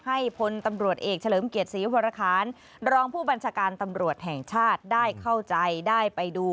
พลตำรวจเอกเฉลิมเกียรติศรีวรคารรองผู้บัญชาการตำรวจแห่งชาติได้เข้าใจได้ไปดู